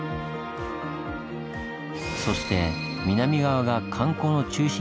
そして南側が観光の中心になりました。